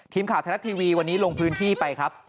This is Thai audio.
ทีมข่าวไทยรัฐทีวีวันนี้ลงพื้นที่ไปครับ